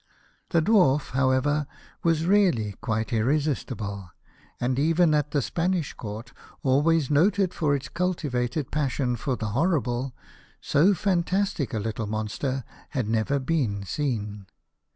The Dwarf, however, was really quite irresistible, and even at the Spanish Court, always noted for its cultivated passion for the horrible, so fantastic a little monster had never been seen.